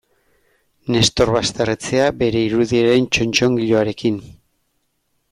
Nestor Basterretxea bere irudiaren txotxongiloarekin.